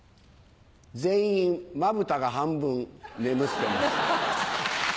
全員まぶたが半分眠ってます。